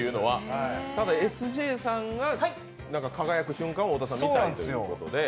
ただＳＪさんが輝く瞬間を太田さんが見たいということで。